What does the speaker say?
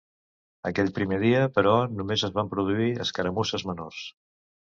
Aquell primer dia, però, només es van produir escaramusses menors.